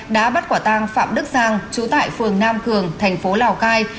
đã bắt quả tang phạm đức giang chú tại phường nam cường thành phố lào cai